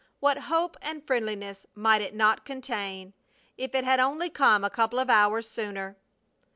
What hope and friendliness might it not contain! If it had only come a couple of hours sooner!